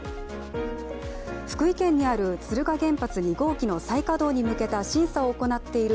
福井県にある、敦賀原発２号機の再稼働に向けた審査を行っている